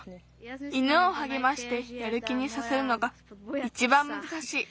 犬をはげましてやる気にさせるのがいちばんむずかしい。